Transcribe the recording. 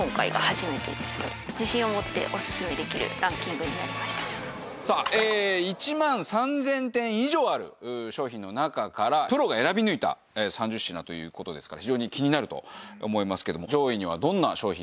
家にあれば１万３０００点以上ある商品の中からプロが選び抜いた３０品という事ですから非常に気になると思いますけども。